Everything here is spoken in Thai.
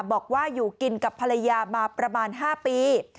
บอกว่าอยู่กินกับภรรยามาประมาณ๕ปี